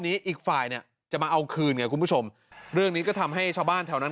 อีกฝ่ายเนี่ยจะมาเอาคืนไงคุณผู้ชมเรื่องนี้ก็ทำให้ชาวบ้านแถวนั้น